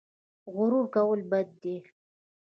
غرور کول بد دي